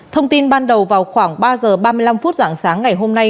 thông tin ban đầu vào khoảng ba giờ ba mươi năm phút dạng sáng ngày hôm nay